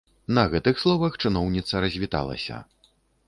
На гэтых словах чыноўніца развіталася.